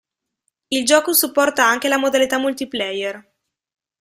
Il gioco supporta anche la modalità multiplayer.